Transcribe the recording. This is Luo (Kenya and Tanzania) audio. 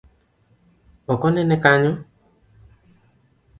Ok onene kanyo?